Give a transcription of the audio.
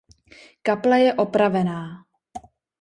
Kaple je opravená.